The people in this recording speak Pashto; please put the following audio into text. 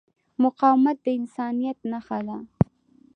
مقاومت د انسانیت نښه ده.